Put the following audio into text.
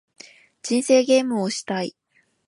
人生ゲームをしたい